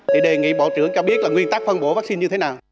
thì đề nghị bộ trưởng cho biết là nguyên tắc phân bổ vaccine như thế nào